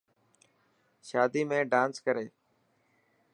شادي ۾ ڊانس ڪري.